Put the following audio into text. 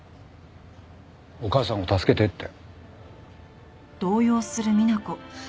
「お母さんを助けて」って。